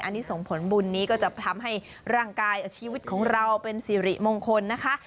อันนี้ส่งผลบุญนี้ก็จะทำให้ร่างกายชีวิตของเราเป็นสิริมงคลนะคะ